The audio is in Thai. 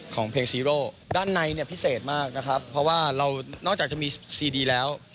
ของเพลงซีโร่ด้านในเนี่ยพิเศษมากนะครับเพราะว่าเรานอกจากจะมีซีดีแล้ว